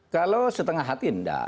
kalau setengah hati tidak